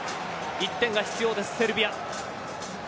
１点が必要です、セルビア。